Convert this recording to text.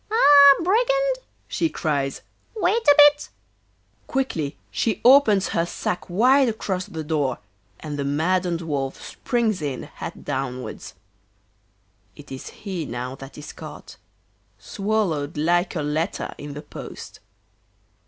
'Ah, brigand!' she cries, 'wait a bit!' Quickly she opens her sack wide across the door, and the maddened Wolf springs in head downwards. It is he now that is caught, swallowed like a letter in the post.